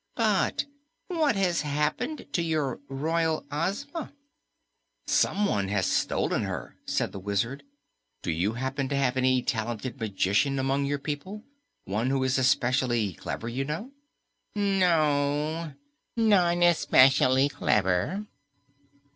But what has happened to your Royal Ozma?" "Someone has stolen her," said the Wizard. "Do you happen to have any talented magician among your people, one who is especially clever, you know?" "No, none especially clever.